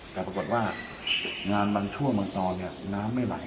แต่ปรากฏว่างานบางช่วงเมืองตอนเนี้ยน้ำไม่ไหล